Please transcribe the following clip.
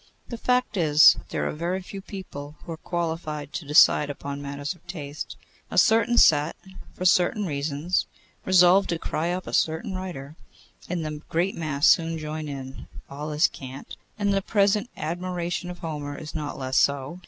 The fact is, there are very few people who are qualified to decide upon matters of taste. A certain set, for certain reasons, resolve to cry up a certain writer, and the great mass soon join in. All is cant. And the present admiration of Homer is not less so.